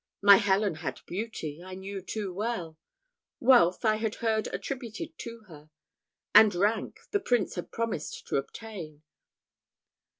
My Helen had beauty, I knew too well. Wealth, I had heard attributed to her; and rank, the Prince had promised to obtain.